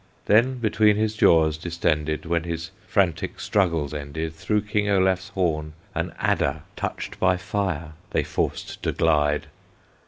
Then between his jaws distended, When his frantic struggles ended, Through King Olaf's horn an adder, Touched by fire, they forced to glide.